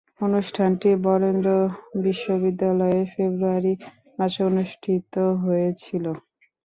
অনুষ্ঠানটি বরেন্দ্র বিশ্ববিদ্যালয়ে ফেব্রুয়ারি মাসে অনুষ্ঠিত হয়েছিলো।